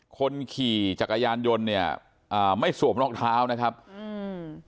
คนขี่จักรยานยนต์เนี่ยอ่าไม่สวมรองเท้านะครับอืม